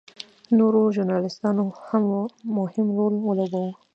نورو ژورنالېستانو هم مهم رول ولوباوه.